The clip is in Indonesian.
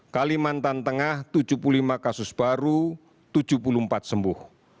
kalimantan tengah tujuh puluh lima kasus baru tujuh puluh empat sembuh